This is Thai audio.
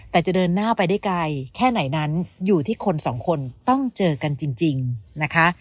แต่จะเดินหน้าไปได้ไกลแค่ไหนนั้นอยู่ที่คนสองคนต้องเจอกันจริงนะคะ